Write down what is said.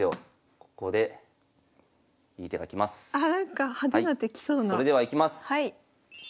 それではいきます！